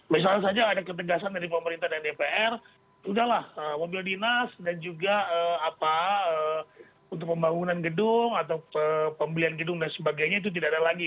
misalnya saja ada ketegasan dari pemerintah dan dpr udahlah mobil dinas dan juga untuk pembangunan gedung atau pembelian gedung dan sebagainya itu tidak ada lagi